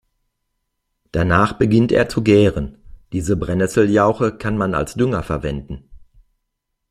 Danach beginnt er zu gären. Diese Brennesseljauche kann man als Dünger verwenden.